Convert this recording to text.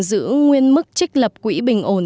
giữ nguyên mức trích lập quỹ bình ổn